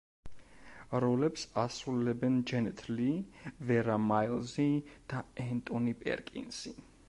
როლებს ასრულებენ ჯენეტ ლი, ვერა მაილზი და ენტონი პერკინსი.